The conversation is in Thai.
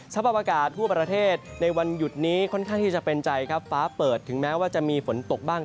สภาพอากาศทั่วประเทศในวันหยุดนี้ค่อนข้างที่จะเป็นใจครับฟ้าเปิดถึงแม้ว่าจะมีฝนตกบ้าง